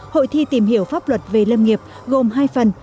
hội thi tìm hiểu pháp luật về lâm nghiệp gồm hai phần